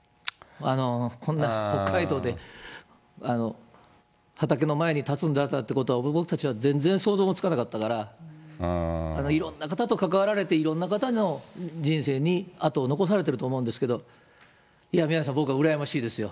こんな北海道で畑の前に立つんだっていうことは、僕たちは全然想像もつかなかったから、いろんな方と関わられて、いろんな方の人生に跡を残されてると思うんですけど、宮根さん、僕は羨ましいですよ。